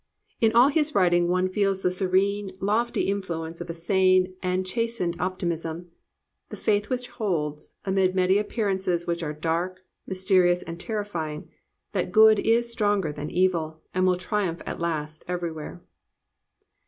In all 353 COMPANIONABLE BOOKS his writing one feels the serene, lofty influence of a sane and chastened optimism, the faith which holds, amid many appearances which are dark, mysterious and terrifying, that Good is stronger than Evil and will triumph at last everywhere.